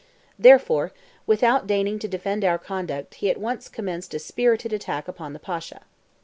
Therefore, without deigning to defend our conduct he at once commenced a spirited attack upon the Pasha.